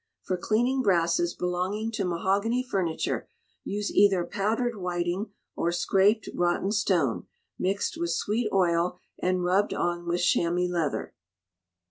For Cleaning Brasses belonging to mahogany furniture, use either powdered whiting or scraped rotten stone, mixed with sweet oil and rubbed on with chamois leather.